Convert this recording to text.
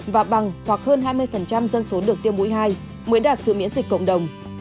và bằng hoặc hơn hai mươi dân số được tiêm mũi hai mới đạt sự miễn dịch cộng đồng